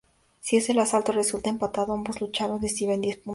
Si el asalto resulta empatado, ambos luchadores reciben diez puntos.